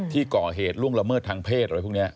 ที่ก่อเหตุล่วงละเมิดทางเพศอะไรพวกนี้